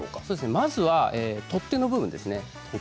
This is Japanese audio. まずは取っ手の部分です。